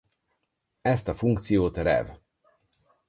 Ezt a funkciót Rev.